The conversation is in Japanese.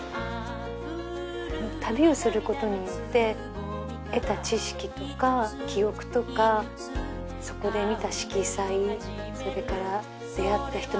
旅をすることによって得た知識とか記憶とかそこで見た色彩それから出会った人の人生